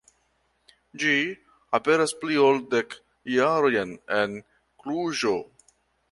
Ĝi aperas pli ol dek jarojn en Kluĵo.